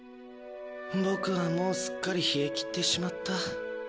ボクはもうすっかり冷え切ってしまった。